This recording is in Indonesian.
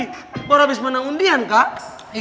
lo udah habis menang undian kak